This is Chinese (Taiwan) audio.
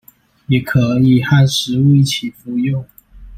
也可以和食物一起服用